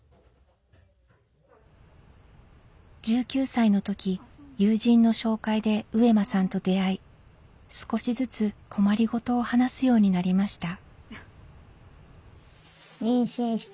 １９歳の時友人の紹介で上間さんと出会い少しずつ困りごとを話すようになりました。